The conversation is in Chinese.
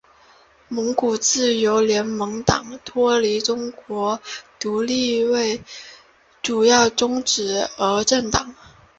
蒙古自由联盟党脱离中国独立为主要宗旨的政党。